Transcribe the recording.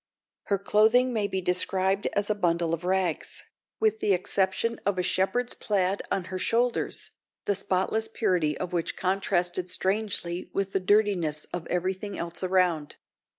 Her clothing may be described as a bundle of rags, with the exception of a shepherd's plaid on her shoulders, the spotless purity of which contrasted strangely with the dirtiness of every thing else around.